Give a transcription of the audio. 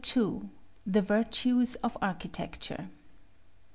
THE VIRTUES OF ARCHITECTURE.